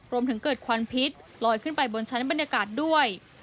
รวมถึงเกิดควันพิษลอยขึ้นไปบนชั้นบรรยากาศด้วย